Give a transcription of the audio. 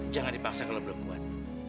jangan dipaksa kalau belum kuat